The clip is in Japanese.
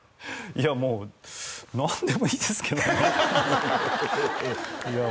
いやもう何でもいいですけどねいや